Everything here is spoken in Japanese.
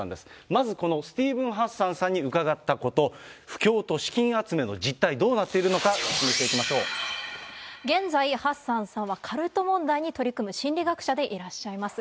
まず、このスティーブン・ハッサンさんに伺ったこと、布教と資金集めの実態、どうなっているのか、現在、ハッサンさんはカルト問題に取り組む心理学者でいらっしゃいます。